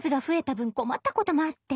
分困ったこともあって。